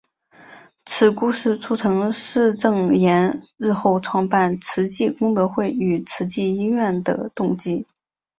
此故事促成释证严日后创办慈济功德会与慈济医院的动机。